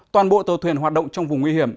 toàn bộ tàu thuyền hoạt động trong vùng nguy hiểm